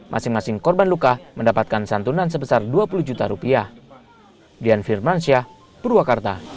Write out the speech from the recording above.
masing masing korban luka mendapatkan santunan sebesar dua puluh juta rupiah